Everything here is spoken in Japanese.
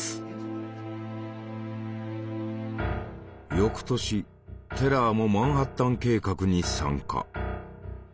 翌年テラーもマンハッタン計画に参加。